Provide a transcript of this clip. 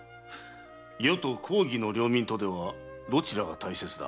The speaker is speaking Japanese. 余と公儀の領民とではどちらが大切だ？